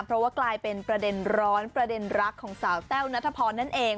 เพราะว่ากลายเป็นประเด็นร้อนประเด็นรักของสาวแต้วนัทพรนั่นเอง